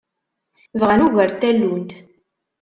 Bɣan ugar n tallunt.